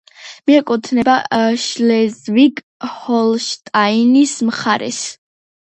მიეკუთვნება შლეზვიგ-ჰოლშტაინის მხარეს.